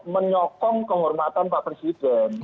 menyokong kehormatan pak presiden